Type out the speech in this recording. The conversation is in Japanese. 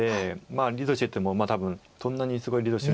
まあリードしてても多分そんなにすごいリードしてない。